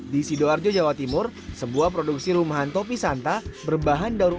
di sidoarjo jawa timur sebuah produksi rumahan topi santa berbahan daun